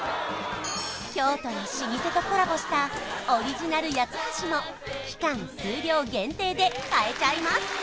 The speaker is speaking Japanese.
京都の老舗とコラボしたも期間・数量限定で買えちゃいます